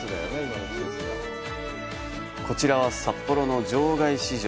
こちらは札幌の場外市場。